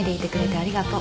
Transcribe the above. ありがとう。